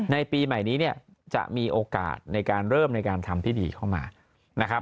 ปีใหม่นี้เนี่ยจะมีโอกาสในการเริ่มในการทำที่ดีเข้ามานะครับ